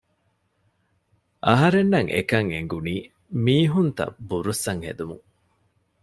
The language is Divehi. އަހަރެންނަށް އެކަން އެނގުނީ މީހުންތައް ބުރުއްސަން ހެދުމުން